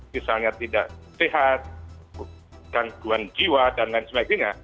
misalnya tidak sehat gangguan jiwa dan lain sebagainya